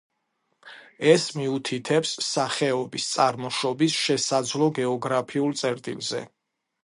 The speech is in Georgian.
ეს მიუთითებს სახეობის წარმოშობის შესაძლო გეოგრაფიულ წერტილზე.